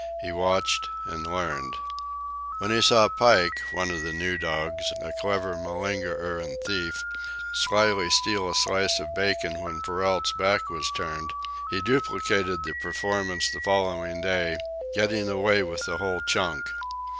He watched and learned. When he saw Pike, one of the new dogs, a clever malingerer and thief, slyly steal a slice of bacon when Perrault's back was turned, he duplicated the performance the following day, getting away with the whole chunk.